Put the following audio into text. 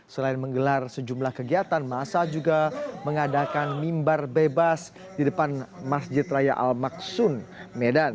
selain menggelar sejumlah kegiatan masa juga mengadakan mimbar bebas di depan masjid raya al maksun medan